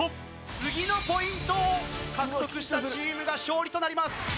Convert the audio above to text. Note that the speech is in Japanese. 次のポイントを獲得したチームが勝利となります。